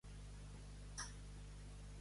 Ser bon cristià.